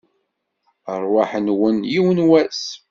Rrwaḥ-nwen, yiwen n wass!